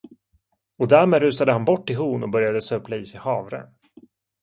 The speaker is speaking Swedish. Och därmed rusade han bort till hon och började sörpla i sig havre.